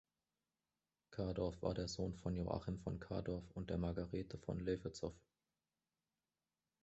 Kardorff war der Sohn von "Joachim von Kardorff" und der "Margarethe von Levetzow".